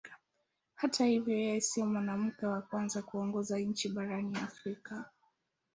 Hata hivyo yeye sio mwanamke wa kwanza kuongoza nchi barani Afrika.